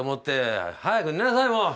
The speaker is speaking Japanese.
早く寝なさいもう！